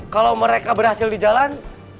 kalau mereka berhasil di jalan